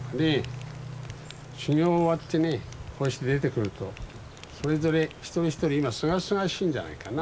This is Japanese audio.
修行終わってねこうして出てくるとそれぞれ一人一人今すがすがしいんじゃないかな。